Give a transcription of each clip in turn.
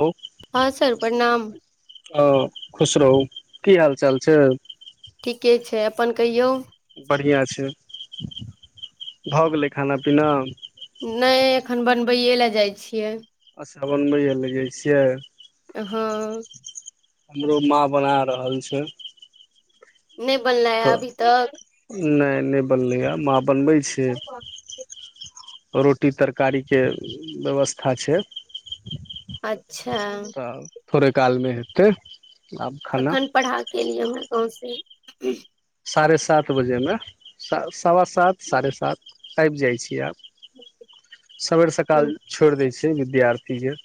ह [inaudible] हँ सर प्रणाम हँ खुश रहु की हाल चाल छै ठीके छै अपन कहियौ बढ़िआँ छै भऽ गेलै खाना पीना नहि एखन बनबैए लए जाइ छियै बनबै लऽ जाइ छियै हँ हमरो माँ बना रहल छै नहि बनलेय तऽ अभी तक नहि नहि बनलैए माँ बनबै छै रोटी तरकारीके व्यवस्था छै अच्छा तऽ थोड़े कालमे हेतै आब खाना कखन पढ़ाक अलियै हमरा गाँवसँ साढ़े सात बजेमे सवा सात साढ़े सात आबि जाइ अछि आब सवेर सकाल तऽ छोड़ दै छै विद्यार्थी के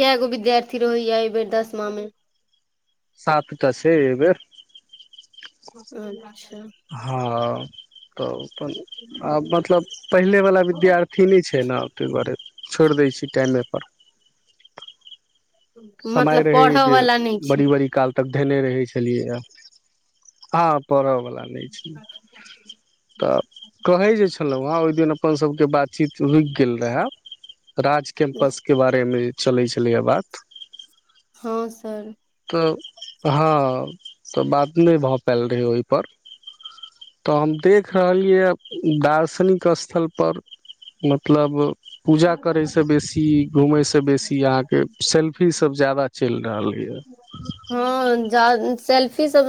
कऽ गो विद्यार्थी रहै आइ बेर दशमा मे सातटा छै ए बेर अच्छा हँ अपन आब मतलब पहिलेवला विद्यार्थी नहि छै ने ताहि दुआरे छोड़ि दै छी टाइमेपर समय मतलब रहे पढ़ऽ जे वाला नहि छै बड़ी बड़ी काल तक धेने रहै छै खलियै आ पऽ बला नहि तऽ कहै जे छलहुँ ओहि दिन अपन सबके बातचीत रुकि गेल रहे राज कैम्पस के बारे मे चलै छलैए बात हँ सर त हँ तऽ बात नहि भऽ पायल रहै ओहिपर तऽ हम देख रहलियैए दार्शनिक स्थलपर मतलब पूजा करय से बेसी घूमे से बेसी यहाँके सेल्फी सब ज्यदा चलि रहलये हँ सेल्फी सब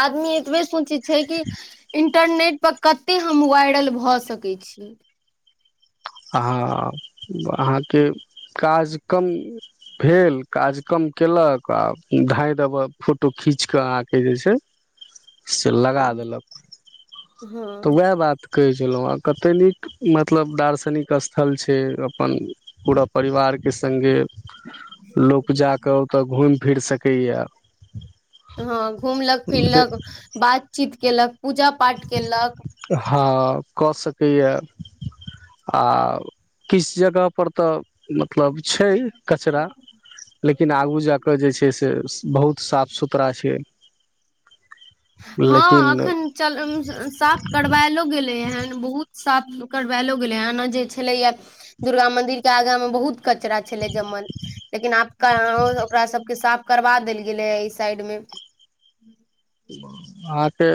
आदमी एतबे सोचैत छै कि इंटरनेटपर कतेक हम वायरल भऽ सकैत छी ह अहाँके काज कम भेल काज कम केलक आ धाँय दबक फोटो खिच खीच कऽ आ के जे छै से लगा देलक तऽ हँ वएह बात कहै छै छलउ है कतैक निक मतलब दार्ष निक स्थल छै अपन पूरा परिवार के सङ्गे लोक जा कऽ ओतय घुमि फिरि सकैए हँ घूमलक फिरलक बातचीत कयलक पूजा पाठ कयलक हँ कऽ सकैएा आ किछु जगह पर तऽ मत मतलब छै कचरा लेकिन आगू जाकऽ जे छै से बहुत साफ सुथरा छै हँ लेकिन एखन चल साफ करबायलो गेलैन हन बहुत साफ करवेलो गेलेन हन एना जे छले या दुर्गा मंदिर के आगा में बहुत कचरा छलै जमल लेकिन आब कहा ओकरा सबके साफ करबा देल गेलै है ई साइड मे अहाँ के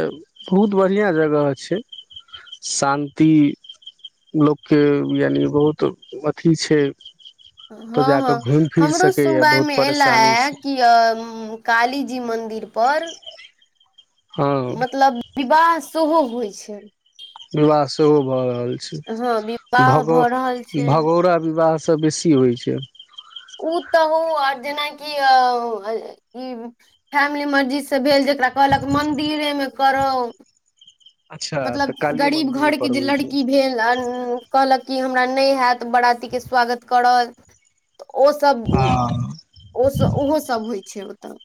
बहुत बढ़िआँ जगह छै शान्ति लोक के यानि बहुत अथी छै हँ तऽ जाकऽ हँ घुमि फिर हमरो सकैए सुनवाय बहुत मे एला परेशानी हे से कि अ काली जी मंदिर पर हँ मतलब विवाह सेहो होइ छै विवाह सेहो भऽ रहल छै हँ विवाह भगो भऽ रहल छै भगौरा विवाह सँ बेसी होइ छै ओ तऽ हो आओर जेनाकि अ ई फैमिली मर्जी सँ भेल जे ओकरा कहलक मन्दिरे मे करौ अच्छा तऽ मतलब कालिये गरीब मंदिर घरके पर जे होइ छै लड़की भेल आ कहलक कि हमरा नहि हैत बराती के स्वागत करल तऽ ओसभ हँ ओसभ ओहोसभ होइ छै ओतय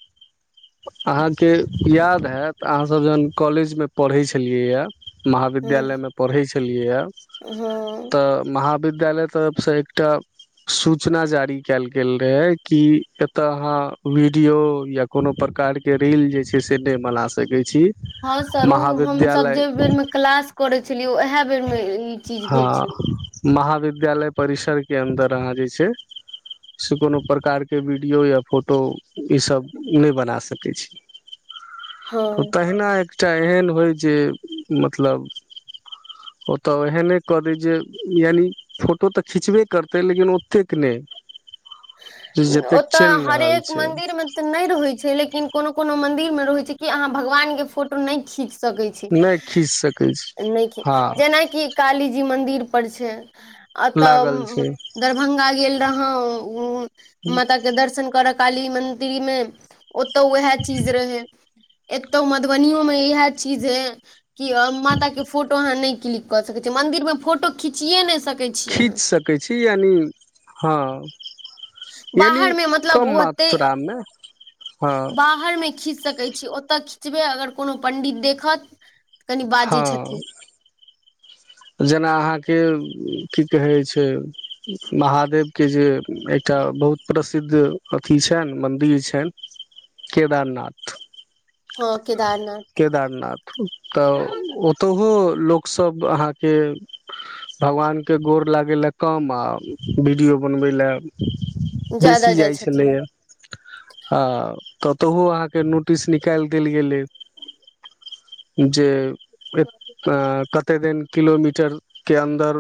अहाँके याद हैत अहाँसभ जहन कॉलेज मे पढ़ै छलियैए ह महाविद्यालय मे पढ़ै छलियैए हँ विद्यालय तरफ सँ एकटा सूचना जारी कयल गेल रहय कि एतय अहाँ वीडियो या कोनो प्रकार के रील जे छै से नहि बना सके छी हँ सर ओ महाविद्यालय यौ इएह बेर मे ई चीज भेल छलै विद्यालय परिसर के अन्दर अहाँ जे छै से कोनो प्रकार के वीडियो या फोटो ईसभ नहि बना सकै छी हँ त तहिना एकटा एहन होय जे मतलब ओतय एहने कऽ दै जे यानि फोटो तऽ खिचबे करतै लेकिन ओतेक नइ ओतअ रहल हरेक छै मन्दिर मे तऽ नइ रहै छै लेकिन कोनो कोनो मंदिर मे रहै छै कि अहाँ भगवान के फोटो नइ खीच सकै छी नहि खीच सकै छी नइ हँ जेनाकि कालीजी मन्दिर पर छै लागल अतऽ छै दरभंगा गेल रहौ माता के दर्शन कर काली मंन्दिर मे ओतौ उएह चीज रहै एतौ मधुबनो मे इएहे चीज हे कि माता के फोटो अहााँ नइ क्लिक कर सकै छी मंदिर मे फोटो खिचियए नइ सकै छियै खींच अहाँ सकै छी यानि हँ यानि बाहर मे मतलब ओ कम ओते मात्रामे हँ बाहर मे खिच सकै छी ओतऽ खिचबै अगर कोनो पंडित देखत कनि बाजै हँ छथिन जेना अहाँ के की कहै छै महादेव के जे एकटा बहुत प्रसिद्ध अथी छै छनि मन्दिर छनि केदारनाथ हँ केदारनाथ केदारनाथ ओ ओतहो लोकसभ अहाके भगवान के गौर लागय ल कम हम आ वीडियो बनबै ल ज्यादा बेसी जाइ जाइत छथिन छलैए आ ततहु अहाँ के नोटिस निकालि देल गेलै जे केत कते दिन किलोमीटर के अन्दर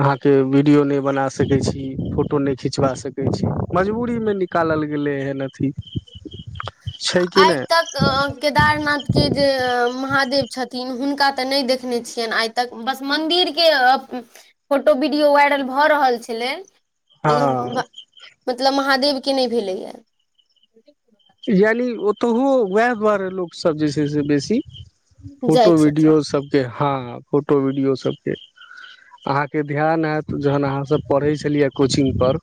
अहा के वीडियो नै बना सक छी फोटो न खिचवा सक छी मजबूरी मे निकालल गेलइ गेलै एहन अथी छै कि आइ नहि तक केदारनाथ के जे महादेव छथिन हुनका तऽ नइ देखने छियनि आइ तक बस मन्दिर के फोटो वीडियो वायरल भऽ रहल छलै लेकिन हँ मतलब महादेव के नइ भेलैए यानि ओतहु उएह दुआरे लोकसभ जे छै से बेसी जाइ फोटो वीडियो छथिन सभके हँ फोटो वीडियो सभके अहाँ के ध्यान हैत जहन अहाँसभ पढ़ै छलियै कोचिंग पर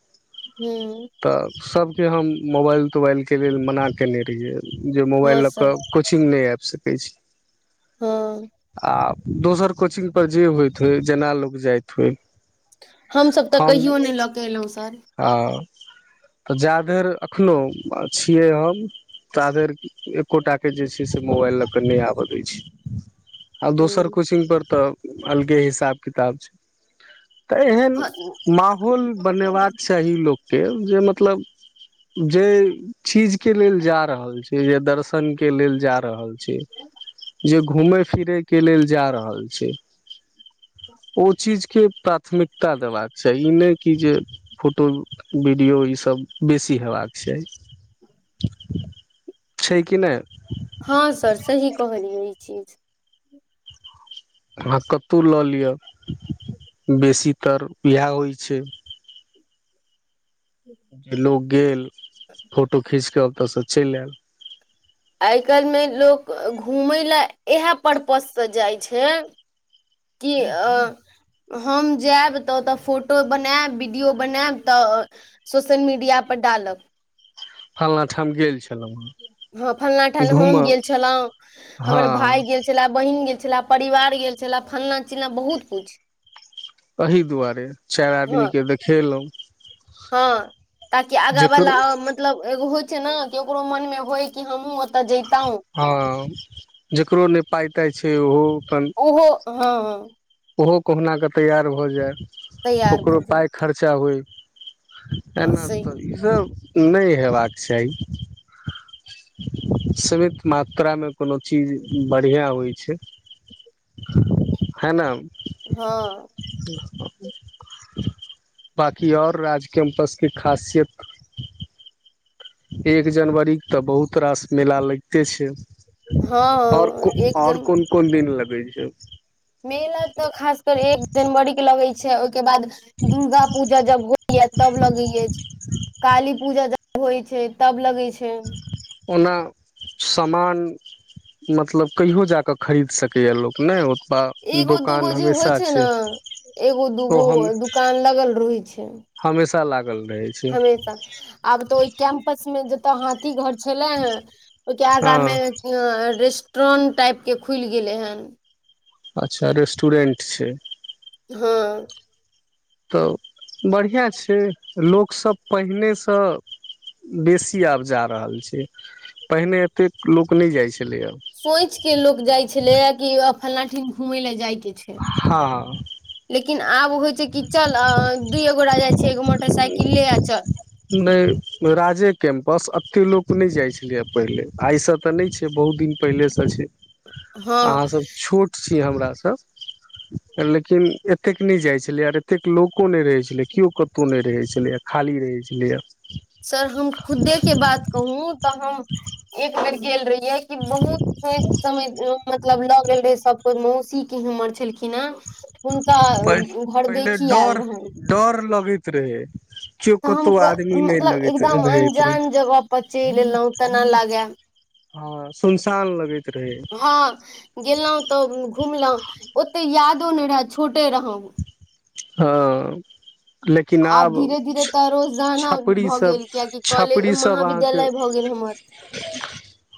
हूँ तऽ सभके हम मोबाइल तोबाइल के लेल मना कयने रहियै जे मोबाइल हँ लऽ सर कऽ कोचिंग नइ आइब सकै छै हँ आ दोसर कोचिंग पर जे होइत होइ जेना लोक जाइत होइ हमसभ तऽ कहियो नइ लऽ कऽ एलहुँ सर आ तऽ जा धैर एखनोहु छियै हम ता धैर एक्कोटा के जे छै से मोबाइल लऽ कऽ नइ आबय दय छियै आ दोसर हूँ, कोचिंगपर तऽ अलगे हिसाब किताब छै तऽ एहन हँ माहौल बनेबाक चाही लोक के जे मत मतलब जइ चिज के लेल जा रहल छी जे दर्शन के लेल जा रहल छी जे घुमै फिरै के लेल जा रहल छी ओ चीज के प्राथमिकता देबाक चाही ई नइ कि जे फोटो वीडियो ई सब बेसी हेबाक चाही छै कि नय हँ सर सही कहलियै ई चीज अाँ कतउ लऽ लिअ बेसीतर इएह होइ छै जे लोक गेल फोटो खींच कऽ ओतय सँ चलि आयल आइ काल्हि मे लोक घूमय लेए इएह परर्पज सँ जाइ छै की अ हम जायब तऽ ओतय फोटो बनायब वीडियो बनायब तऽ सोशल मीडिया पर पर डालब फल्ना ठाम गेल छी हँ फलना ठन हम गेल छलहुँं हमर भाय हँ गेल छले बहिन गेल छलै परिवार गेल छलै फल्लना चिल्लना बहुत किछ अही दुआरे चारि हँ आदमी के देखेलउ हँ ताकि आगा जकर बला मतलब एगो हो इ छन की ओकरो मन मे होय कि हमहु ओत जइतौ हँ जकरो नइ पाइ ताइ छै ओहो अपन ओहो हँ हँ ओहो कहुनाकऽ तैआर भऽ जाइ तैयार ओकरो भऽ जाय पाइ खर्चा होइ हँ एना सही तऽ इसब नहि हेबाक चाही सीमित मात्रामे कोनो चीज बढ़िआँ होइ छै हैना हँ [unintelligible] बाकी और राज कैम्पस के खासियत एक जनवरी तऽ बहुत रास मेला लगिते छै ओर हँ को एक ओर जनवरी कोन कोन दिन लगै छै मेला तऽ खास कर एक जनवरी के लगै छै के बाद दुर्गा पूजा जब होय तब लगे य काली पूजा जब होइ छै तब लगै छै ओना सामान मतलब कहियो जा कऽ खरीद सकैए लोक नहि ओ अ एगो दुकान दूगो जे होइ हमेशा छै ने एगो अो दूगो हम दुकान लगल रहै छै हमेशा लागल रहै छै हमेशा आब तऽ ओई कैम्पस मे जतऽ हाथी घर छलेहां कियाकी आगा मे हँ रेस्क ट्रन टाइपके खुलि गेलै हन अच्छा रेस्टोरेंट छै हँ तऽ बढ़िआँ छै लोकसभ पहिनेसँ बेसी आब जा रहल छै पहिने एते लोक नहि जाइ छै सोच के लोकोग जाइ छलै कि फलना ठीन घूमै ले जाइ हँ लेकिन आब होइ छै की चल दू ये गोरे नहि राजे कैम्पस अथि लोक नहि जाइ छलियै पहिले आइसँ तऽ नहि छै बहुत दिन पहिलेसँ छै हँ अहाँसभ छोट छी हमरासभ लेकिन एतेक नहि जाइ छलै आर एतेक लोको नहि रहै छलै केओ कत को नहि रहै छलैए खाली रहै छलैए सर हम खुदे के बात कहू तऽ हम एक बेर गेल रही ये क बहुत सोच समय मतलब ल गेल रहे सब कोई मौस सी के हमर छलखिन हेँ प पहिले आयल डर रहनि डर लगैत रहै तऽ हम चकतो आदमी नहि मतलब लगैत एकदम रहैत रहे अन्जान जगह पर चैल एलहुँ तेना लागे हँ सुनसान लगे छै हँ गेलहुँ तऽ घुमलहुँ ओते यादो नहि रहय छोट हँ आब धीरे धीरे तऽ रोजाना छपरी भऽ सब गेल कियाकि कॉलेज छपरी महाविद्यालय भऽ गेल हम कहत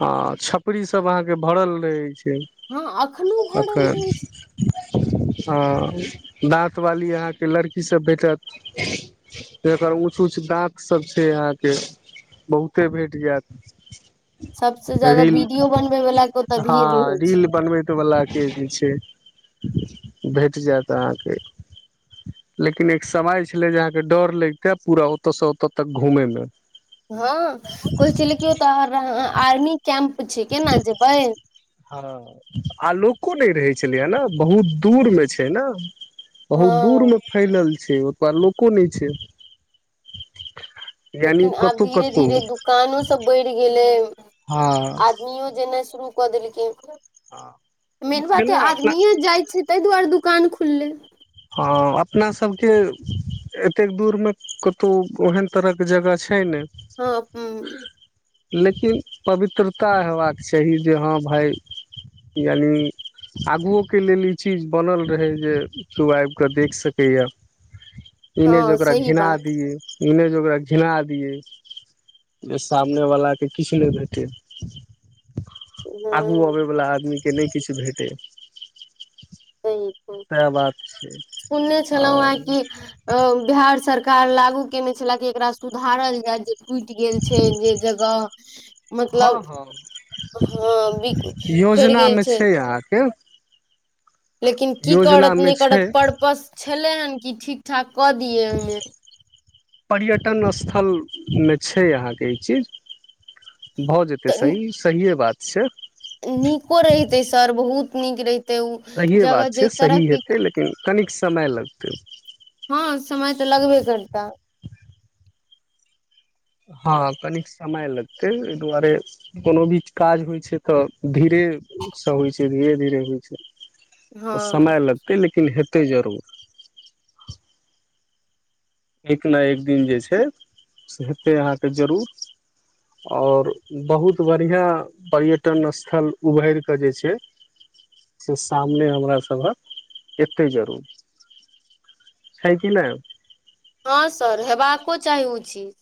हा छपरी सब अहाँके भरल रहै छै हँ अखनो भरल अखेन रहै छै आ दाँत वाली अहा के लड़की सब भेटत जेकर ऊंच ऊंच दाँत सब छै अहाँके बहुते भेट जायत सबसे ज्यादा रील वीडियो बनबे वाला के ओतऽ भीड़ हँ रहै रील छै बनबेत बला के जे छै भेट जायत अहाँके लेकिन एक समय छलै जे अहाँके डर लैग के पूरा ओतय से ओतय तक घूमे मे हँ कह छलै क ओ तऽ आर्मी कं्प हँ आ लोको नहि रहै भेलया ने बहुत दूर मे छै ने हँ बहुत दूर में फैलल छै छै ओ तऽ लोको नहि छै यानि लेकिन आब कतहु धीरे कतहु धीरे दुकानो सब बैढ़ गेलै हँ आदमीयो जेनाइ शुरू कऽ देलकिन मेन छै बात हैय ने अपना आदमीेयो जाइ छै ताहि दुआरे दुकान खुलले हँ अपना सभके एतेक दूर में कतौ ओहेन तरहक के जगह छै नै हँ हू लेकिन पवित्रता हेयबाक चाही जे हँ भाय यानि आगुओ के लेल ई चीज बनल रहै जे तू आबिकऽ देख सकैए हँ ईने जे ओकरा सही घिना बात दियै इनेजे ओकरा घिना दियए जे सामने वाला के किछ नहि भैटे आगू हँ अबयवला आदमीकेँ नहि किछु भेटै सही छै सुनने छलहु आओर आय कि बिहार सरकार लागू केने छले जे एकरा सुधारल जाय जे टूटि गेल छै जे जगह हँ मतलब हँ हँ बि फेर योजना गेल मे छैय छै अहाँके लेकिन की योजना करत मे नैय छै करत पर्पस छलै हेन कि ठीक ठाक कऽ दियए ओहिमे पर्यटन स्थलमे छैय अहाँके ई चीज भऽ जेतै तऽ सही सहिए बात छैय नीको रहिते सर बहुत नीक रहिते सहिए बात छै सही हेतै लेकिन कनिक समय लगतै हँ समय तऽ लगबे करता हँ कनिक समय लगतै एहि दुआरे कोनो भी काज होइ छै तऽ धीरे सब होइ छै धीरे धीरे होइ छै हँ तऽ समय लगतै लेकिन हेतै जरूर एक न एक दिन जे छैय से हेतै अहाँके जरूर आओर बहुत बढ़िआँ पर्यटन स्थल उभरि कऽ जे छै से सामने हमरा सभक एतहि जरूर छैय की नैय हँ सर हेबाको चाही उचित